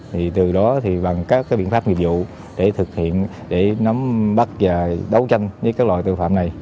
thì từ đó thì bằng các biện pháp nghiệp vụ để thực hiện để nắm bắt và đấu tranh với các loại tội phạm này